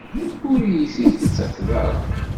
Ur iyi-t-id-tettakeḍ ara?